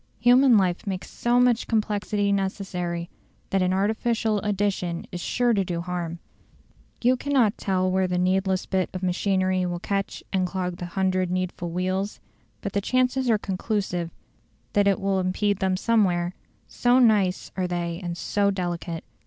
Human life makes so much complexity necessary that an artificial addition is sure to do harm: you cannot tell where the needless bit of machinery will catch and clog the hundred needful wheels; but the chances are conclusive that it will impede them some where, so nice are they and so delicate.